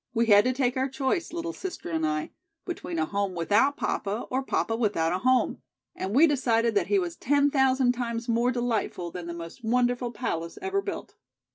"We had to take our choice, little sister and I, between a home without papa or papa without a home, and we decided that he was ten thousand times more delightful than the most wonderful palace ever built."